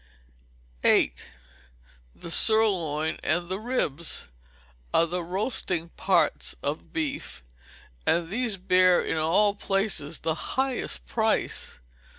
viii. The Sirloin and the Ribs are the roasting parts of beef, and these bear in all places the highest price.